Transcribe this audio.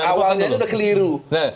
awalnya itu udah keliru